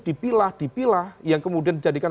dipilah dipilah yang kemudian dijadikan